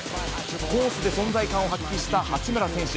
攻守で存在感を発揮した八村選手。